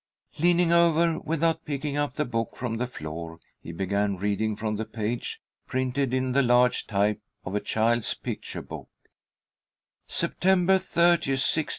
Leaning over, without picking up the book from the floor, he began reading from the page, printed in the large type of a child's picture book: "'September 30, 1609.